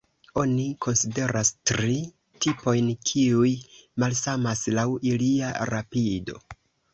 Oni konsideras tri tipojn, kiuj malsamas laŭ ilia rapido.